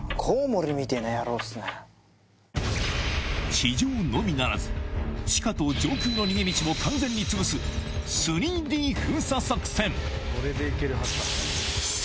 地上のみならず地下と上空の逃げ道も完全につぶす了解！